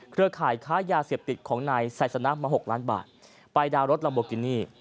เครือขายค้ายาเสพติดของนายใส่สนับมา๖ล้านบาทไปดาวรถลำบกินี่